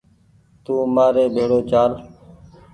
تو مآري ڀيڙو چآل